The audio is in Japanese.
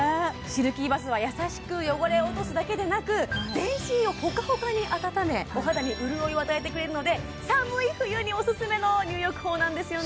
シルキーバスは優しく汚れを落とすだけでなく全身をホカホカに温めお肌に潤いを与えてくれるので寒い冬におすすめの入浴法なんですよね